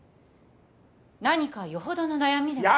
何かよほどの悩みでも。